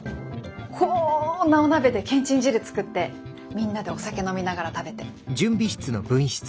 こんなお鍋でけんちん汁作ってみんなでお酒飲みながら食べて。